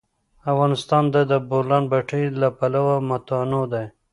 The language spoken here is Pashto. افغانستان د د بولان پټي له پلوه متنوع دی.